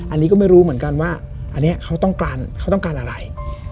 อันนี้ก็ไม่รู้เหมือนกันว่าอันนี้เขาต้องการเขาต้องการอะไร